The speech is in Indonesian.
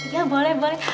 ya boleh boleh